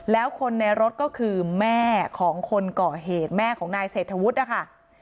แล้วคนในรถก็คือแม่ของคนก่อเหตุแม่ของนายเศรษฐวุฒินะคะ